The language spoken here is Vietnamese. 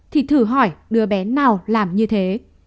thì thử hỏi đứa bé nào làm như thế